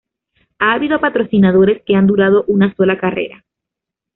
Ha habido patrocinadores que han durado una sola carrera.